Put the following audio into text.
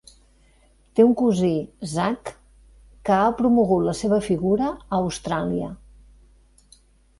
Té un cosí, Zac, que ha promogut la seva figura a Austràlia.